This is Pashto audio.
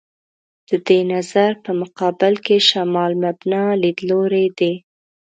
د دې نظر په مقابل کې «شمال مبنا» لیدلوری دی.